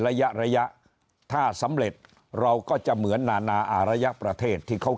ระยะระยะถ้าสำเร็จเราก็จะเหมือนนานาอารยะประเทศที่เขา